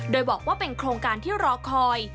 โดยบอกว่าเป็นโครงการที่รอคอย